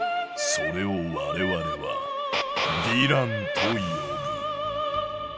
それを我々は「ヴィラン」と呼ぶ。